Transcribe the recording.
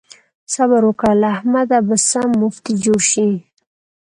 صبر وکړه؛ له احمده به سم مفتي جوړ شي.